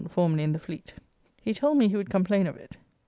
] formerly in the fleet. He told me he would complain of it.